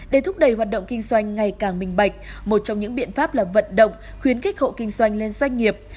để thúc đẩy hoạt động kinh doanh ngày càng minh bạch một trong những biện pháp là vận động khuyến khích hộ kinh doanh lên doanh nghiệp